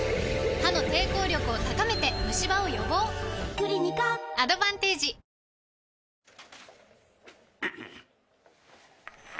クリニカアドバンテージあれ？